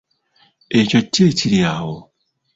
Ekyo ki ekiri awo?